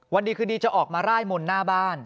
วันดีคืนดีจะออกมาร่ายมนต์หน้าบ้าน